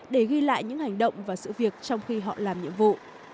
để ghi lại những hành động và sự việc trong khi họ làm nhiệm vụ